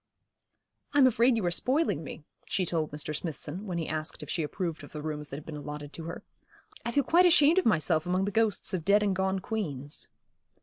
'I'm afraid you are spoiling me,' she told Mr. Smithson, when he asked if she approved of the rooms that had been allotted to her. 'I feel quite ashamed of myself among the ghosts of dead and gone queens.'